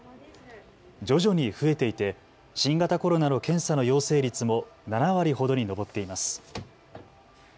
徐々に増えていて新型コロナの検査の陽性率も７割ほどに上っています。